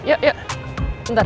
yuk yuk entar